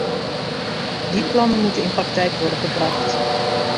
Die plannen moeten in praktijk worden gebracht.